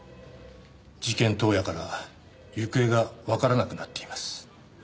事件当夜から行方がわからなくなっています。